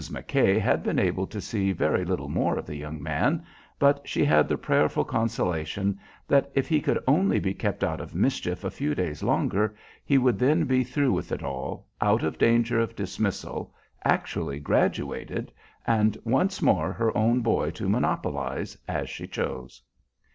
McKay had been able to see very little more of the young man, but she had the prayerful consolation that if he could only be kept out of mischief a few days longer he would then be through with it all, out of danger of dismissal, actually graduated, and once more her own boy to monopolize as she chose.